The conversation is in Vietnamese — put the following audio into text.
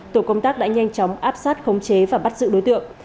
tổ công tác đã nhanh chóng áp sát khống chế và bắt giữ đối tượng